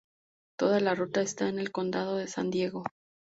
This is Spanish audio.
Toda la ruta está en el condado de San Diego.